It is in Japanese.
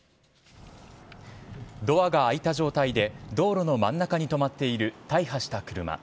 ドアが開いた状態で道路の真ん中に止まっている大破した車。